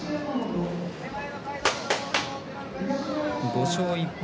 ５勝１敗